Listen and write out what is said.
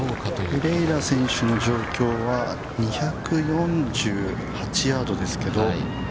◆ペレイラ選手の状況は２４８ヤードですけど。